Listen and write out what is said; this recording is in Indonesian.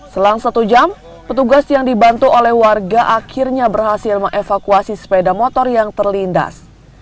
selang satu jam petugas yang dibantu oleh warga akhirnya berhasil mengevakuasi sepeda motor yang terlindas